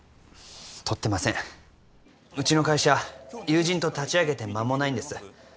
とってませんうちの会社友人と立ち上げて間もないんです